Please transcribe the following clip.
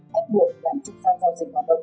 hết buộc làm chính xác giao dịch hoạt động